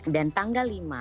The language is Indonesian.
dan tanggal lima